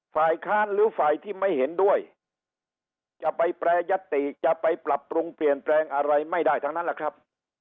ฝ่ายค้านหรือฝ่ายที่ไม่เห็นด้วยจะไปแปรยติจะไปปรับปรุงเปลี่ยนแปลงอะไรไม่ได้ทั้งนั้นแหละครับ